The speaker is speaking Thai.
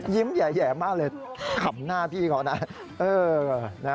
แหย่มากเลยขำหน้าพี่เขานะ